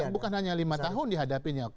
bukan hanya lima tahun dihadapinya